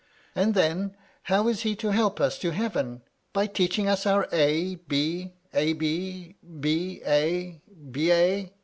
And then, how is he to help us to heaven, by teaching us our a b, ab— b a, ba